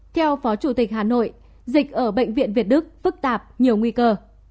theo phó chủ tịch hà nội dịch ở bệnh viện việt đức phức tạp nhiều nguy cơ